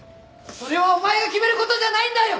それはお前が決める事じゃないんだよ！！